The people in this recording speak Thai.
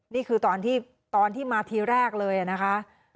นี่คือตอนที่มาทีแรกเลยนะคะ